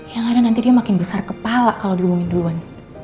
ya ga ada nanti dia makin besar kepala kalau diubungin duluan